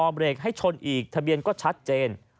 เบรกให้ชนอีกทะเบียนก็ชัดเจน